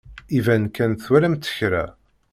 Iban kan twalamt kra.